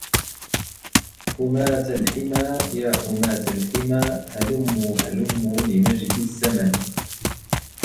حُمَاةَ الْحِمَى يَا حُمَاةَ الْحِمَى هَلُمُّوا هَلُمُّوا لِمَجْدِ الزَّمَنْ